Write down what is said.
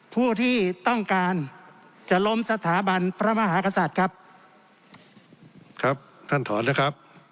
ผู้ที่ต้องการจะล้มสถาบันพระมหากษัตริย์ครับครับท่านถอนนะครับ